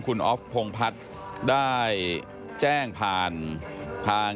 คุณอบพรงพัฒน์ได้แจ้งผ่าน